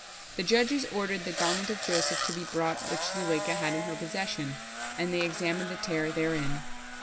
The judges ordered the garment of Joseph to be brought which Zuleika had in her possession, and they examined the tear therein.